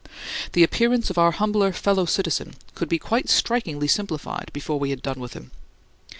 The appearance of our humbler fellow citizen could be quite strikingly simplified before we had done with him.